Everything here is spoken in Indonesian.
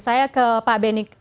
saya ke pak beni